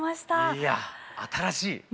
いや新しい！